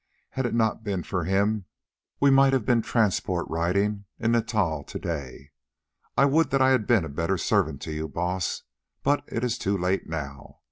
Had it not been for him, we might have been transport riding in Natal to day. I would that I had been a better servant to you, Baas, but it is too late now."